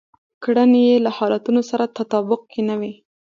کړنې يې له حالتونو سره تطابق کې نه وي.